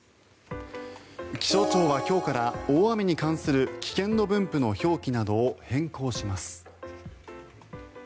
気象庁は今日から大雨に関する危険度分布の表記などを変更します。